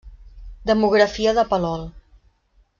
Demografia de Palol.